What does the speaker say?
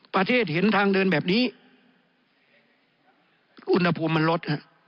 ประเทศเห็นทางเดินแบบนี้อุณหภูมิมันลดฮะ